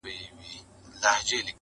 نو دا څنکه د ده څو چنده فایده ده,